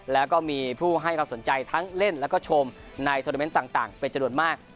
แล้วก็มีผู้ให้ความสนใจทั้งเล่นแล้วก็ชมในโทรเมนต์ต่างเป็นจำนวนมาก